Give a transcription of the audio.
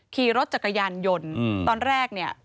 ขี่รถจักรยานยนต์ตอนแรกเนี่ย